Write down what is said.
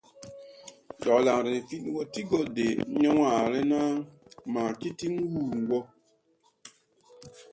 Gawlanre fid wɔ ti go ne weere naa ma ti tin wuu woo.